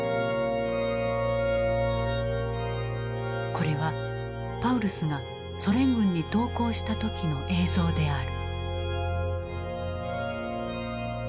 これはパウルスがソ連軍に投降した時の映像である。